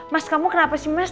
mas kamu kenapa sih mas